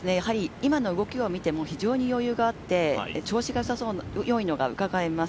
今の動きを見ても非常に余裕があって、調子がいいのがうかがえます。